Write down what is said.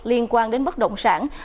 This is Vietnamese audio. liên quan đến bất động sản